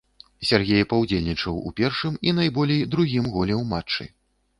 Сяргей паўдзельнічаў у першым і найболей другім голе ў матчы.